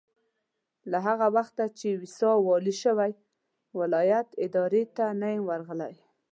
له هغه وخته چې ويساء والي شوی ولایت ادارې ته نه یم ورغلی.